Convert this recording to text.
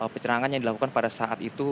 dan pencerangan yang dilakukan pada saat itu